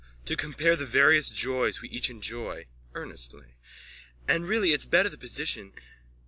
To compare the various joys we each enjoy. (Earnestly.) And really it's better the position...